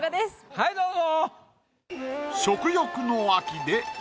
はいどうぞ。